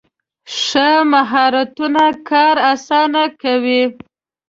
ښه مهارتونه کار اسانه کوي.